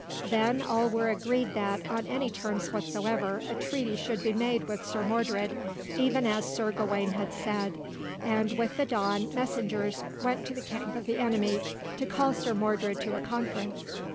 Then all were agreed that, on any terms whatsoever, a treaty should be made with Sir Mordred, even as Sir Gawain had said; and, with the dawn, messengers went to the camp of the enemy, to call Sir Mordred to a conference.